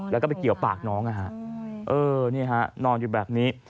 แล้วก็ไปเกี่ยวปากน้องนะฮะเออนี่ฮะนอนอยู่แบบนี้